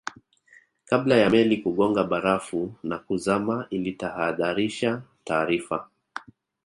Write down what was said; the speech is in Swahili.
kabla ya meli kugonga barafu na kuzama ilitahadharisha taarifa